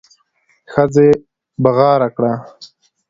ښځې بغاره کړه.